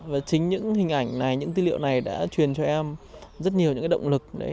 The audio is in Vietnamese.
và chính những hình ảnh này những tư liệu này đã truyền cho em rất nhiều những động lực